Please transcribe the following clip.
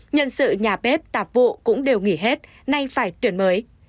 nhân sự nhà bếp tạp vụ cũng đều nghỉ hết nay phải tuyển mới